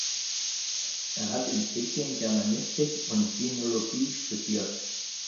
Er hat in Peking Germanistik und Sinologie studiert.